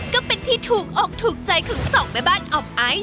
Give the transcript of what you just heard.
ก็เป็นที่ถูกอกถูกใจของสองแม่บ้านออมไอซ์